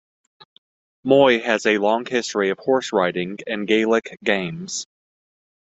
Moy has a long history of horse riding and Gaelic games.